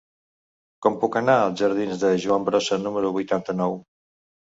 Com puc anar als jardins de Joan Brossa número vuitanta-nou?